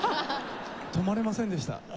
止まれませんでした僕。